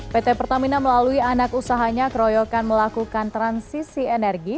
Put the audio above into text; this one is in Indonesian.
pt pertamina melalui anak usahanya keroyokan melakukan transisi energi